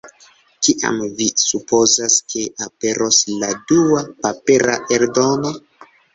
Kiam vi supozas, ke aperos la dua papera eldono?